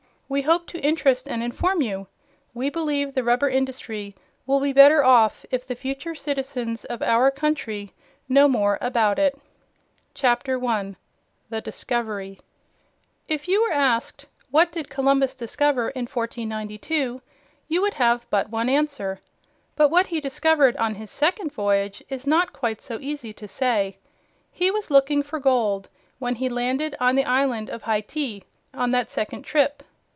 We hope to interest and inform you. We believe the rubber industry will be better off if the future citizens of our country know more about it. CHAPTER 1 THE DISCOVERY If you were asked, "What did Columbus discover in 1492?" you would have but one answer. But what he discovered on his second voyage is not quite so easy to say. He was looking for gold when he landed on the island of Hayti on that second trip.